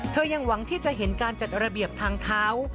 ยังหวังที่จะเห็นการจัดระเบียบทางเท้า